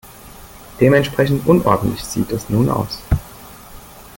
Dementsprechend unordentlich sieht es nun aus.